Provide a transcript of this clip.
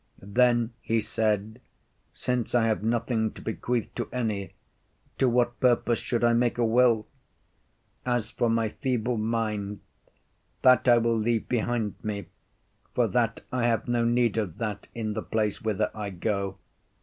Then he said, Since I have nothing to bequeath to any, to what purpose should I make a will? As for my feeble mind, that I will leave behind me, for that I have no need of that in the place whither I go.